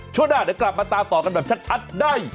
ช่วงหน้าเดี๋ยวกลับมาตามต่อกันแบบชัดได้